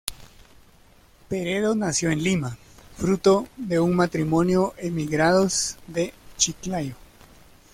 Peredo nació en Lima, fruto de un matrimonio emigrados de Chiclayo.